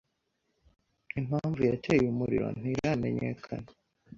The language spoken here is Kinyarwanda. Impamvu yateye umuriro ntiramenyekana.